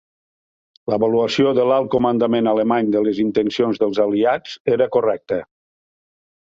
L'avaluació de l'alt comandament alemany de les intencions dels aliats era correcta.